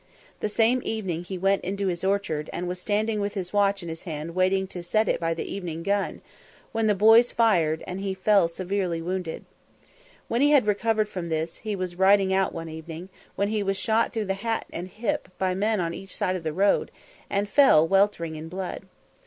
The same evening he went into his orchard, and was standing with his watch in his hand waiting to set it by the evening gun, when the boys fired, and he fell severely wounded. When he recovered from this, he was riding out one evening, when he was shot through the hat and hip by men on each side of the road, and fell weltering in blood.